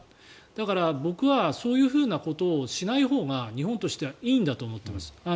だから、僕はそういうことをしないほうが日本としてはいいんだと思っています。